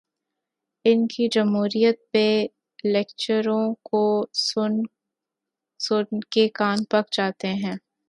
ان کے جمہوریت پہ لیکچروں کو سن سن کے کان پک چکے تھے۔